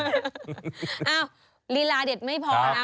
ลีลาเด็ดไม่พอนะ